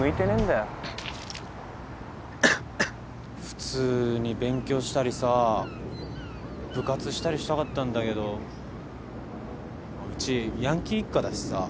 普通に勉強したりさ部活したりしたかったんだけどうちヤンキー一家だしさ。